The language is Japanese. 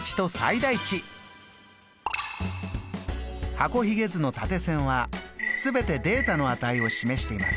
箱ひげ図の縦線は全てデータの値を示しています。